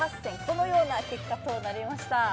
このような結果となりました。